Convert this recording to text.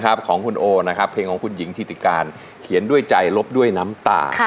น้ำร้องหายลบคำหนึ่งคำนี่ด้วยน้ำตา